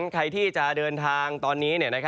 ใครที่จะเดินทางตอนนี้